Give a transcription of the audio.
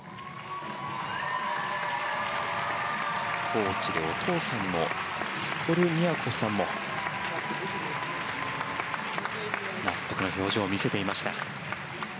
コーチでお父さんのスコルニアコフさんも納得の表情を見せていました。